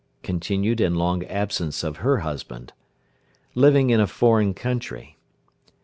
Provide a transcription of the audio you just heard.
Continued and long absence of her husband. Living in a foreign country.